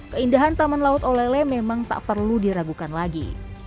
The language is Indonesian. keindahan taman laut olele memang tak perlu diragukan lagi